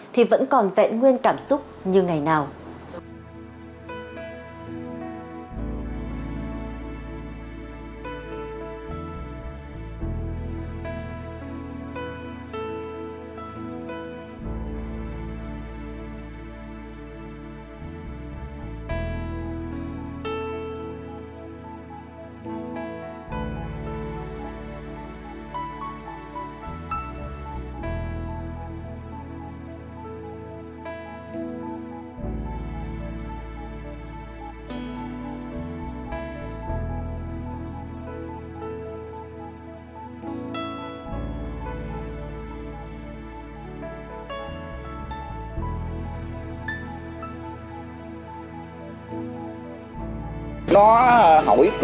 thì vẫn còn vẹn nguyên cảm xúc như ngày nào